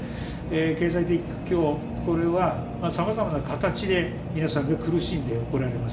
経済的苦境、これはさまざまな形で、皆さんが苦しんでおられます。